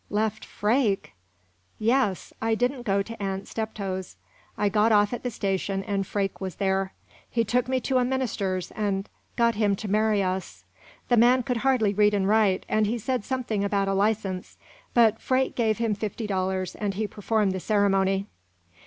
"Left Freke!" "Yes. I didn't go to Aunt Steptoe's. I got off at the station and Freke was there. He took me to a minister's and got him to marry us. The man could hardly read and write, and he said something about a license; but Freke gave him fifty dollars, and he performed the ceremony."